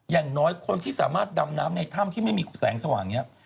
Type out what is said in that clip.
อย่างน้อยคนที่สามารถดำน้ำในถ้ำที่ไม่มีแสงสว่างนี้